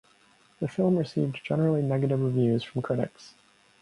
The film received generally negative reviews from critics.